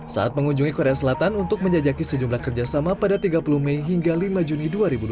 saat mengunjungi korea selatan untuk menjajaki sejumlah kerjasama pada tiga puluh mei hingga lima juni dua ribu dua puluh